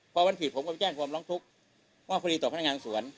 พอวันผิดผมก็ไปแจ้งความร้องทุกข์มอบคดีต่อพนักงานสวน